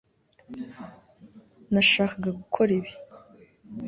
nashakaga gukora ibi